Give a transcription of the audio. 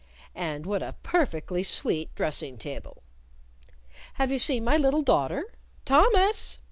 "And what a perfectly sweet dressing table!" "Have you seen my little daughter? Thomas!"